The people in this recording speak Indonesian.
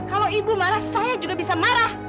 kalau ibu marah saya juga bisa marah